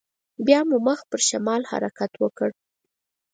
بيا مو مخ پر شمال حرکت وکړ.